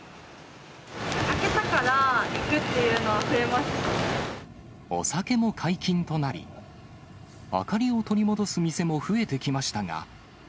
明けたから行くっていうのはお酒も解禁となり、明かりを取り戻す店も増えてきましたが。